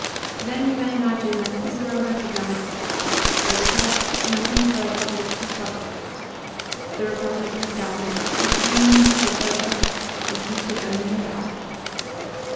Then we may imagine that Cicero recognised the fact that there was left nothing further for which to struggle. The 1 Ad Div. lib. xii. 10. CICERO'S DEATH. 285 Republic was done, his dream was over, and he could only die.